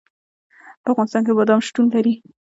په افغانستان کې بادام شتون لري.